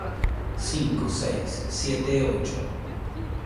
cinco, seis, siete, ocho.